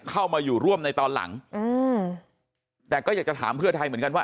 เข้ามาอยู่ร่วมในตอนหลังอืมแต่ก็อยากจะถามเพื่อไทยเหมือนกันว่า